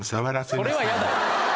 それは嫌だよ。